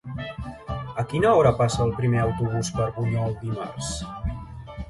A quina hora passa el primer autobús per Bunyol dimarts?